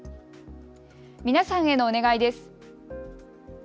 皆さんへのお願いです。